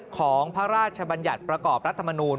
ของพระราชบัญญัติประกอบรัฐมนูล